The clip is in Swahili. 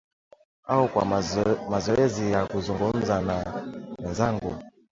Au kwa mazoezi ya kuzungumza na wenzangu.